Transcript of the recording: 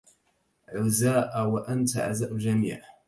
عزاء وأنت عزاء الجميع